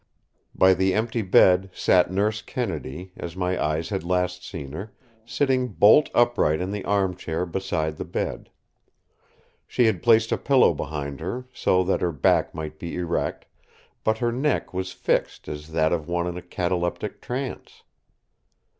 By the empty bed sat Nurse Kennedy, as my eyes had last seen her, sitting bolt upright in the arm chair beside the bed. She had placed a pillow behind her, so that her back might be erect; but her neck was fixed as that of one in a cataleptic trance.